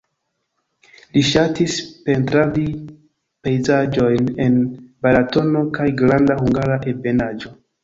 Li ŝatis pentradi pejzaĝojn en Balatono kaj Granda Hungara Ebenaĵo.